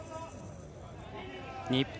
日本